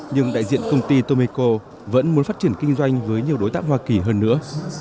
nhưng đại diện công ty tomiko vẫn muốn phát triển kinh doanh với nhiều đối tác hoa kỳ hơn nữa